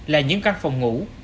là những căn phòng ngủ